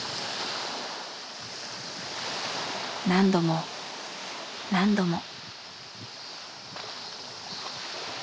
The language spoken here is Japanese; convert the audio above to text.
何度も何度も。